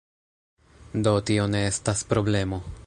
Do, tio ne estas problemo